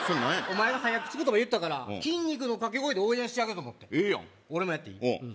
お前が早口言葉言ったから筋肉の掛け声で応援してあげようとええやん俺もやっていい？